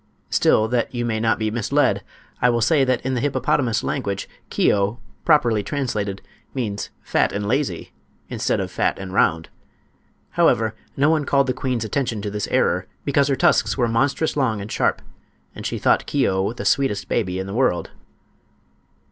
Still, that you may not be misled, I will say that in the hippopotamus language "Keo," properly translated, means "fat and lazy" instead of fat and round. However, no one called the queen's attention to this error, because her tusks were monstrous long and sharp, and she thought Keo the sweetest baby in the world.